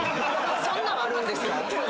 そんなんあるんですか。